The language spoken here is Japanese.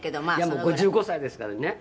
「もう５５歳ですからね」